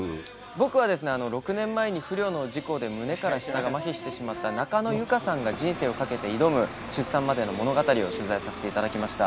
僕は６年前に不慮の事故で胸から下がまひしてしまった中野由佳さんが人生をかけて挑む出産までの物語を取材させていただきました。